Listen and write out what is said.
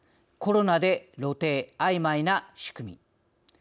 コロナで露呈あいまいな仕組み。